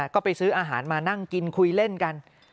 ก็ไปซื้ออาหารมานั่งกินคุยเล่นกัน